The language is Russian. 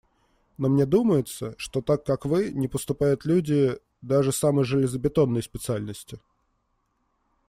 Но мне думается, что так, как вы, не поступают люди… даже самой железобетонной специальности.